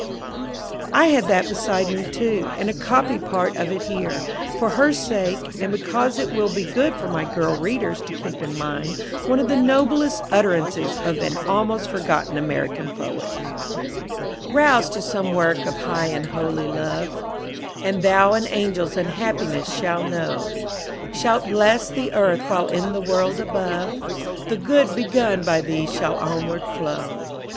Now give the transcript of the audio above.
I had that beside me, too, and I copy part of it here, for her sake, and because it will be good for my girl readers to keep in mind one of the noblest utterances of an almost forgotten American poet: "Rouse to some work of high and holy love, And thou an angel's happiness shalt know; Shalt bless the earth while in the world above. The good begun by thee shall onward flow.